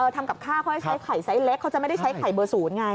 ทำกับข้าวเขาจะใช้ไข่ไซส์เล็กเขาจะไม่ได้ใช้ไข่เบอร์๐ไง